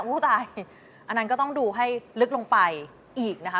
ผู้ตายอันนั้นก็ต้องดูให้ลึกลงไปอีกนะคะ